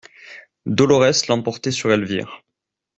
Dolorès l'emportait sur Elvire.